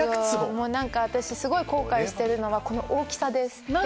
すごい後悔してるのはこの大きさです。